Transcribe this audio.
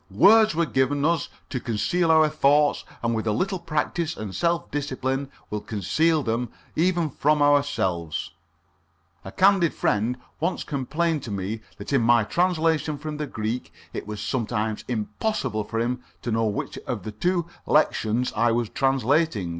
Words were given us to conceal our thoughts, and with a little practice and self discipline will conceal them even from ourselves. A candid friend once complained to me that in my translation from the Greek it was sometimes impossible for him to know which of two different lectiones I was translating.